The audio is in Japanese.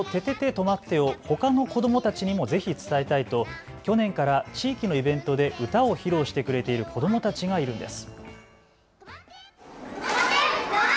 とまって！をほかの子どもたちにもぜひ伝えたいと去年から地域のイベントで歌を披露してくれている子どもたちがいるんです。